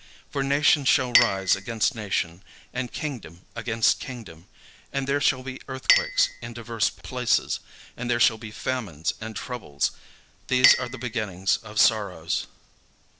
For nation shall rise against nation, and kingdom against kingdom: and there shall be earthquakes in divers places, and there shall be famines and troubles: these are the beginnings of sorrows.